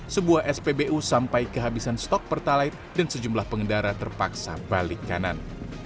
sebuah spbu sampai kehabisan stok pertalite dan sejumlah pengendara terpaksa balik kanan